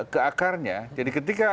ke akarnya jadi ketika